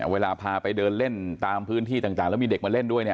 เวลาพาไปเดินเล่นตามพื้นที่ต่างแล้วมีเด็กมาเล่นด้วย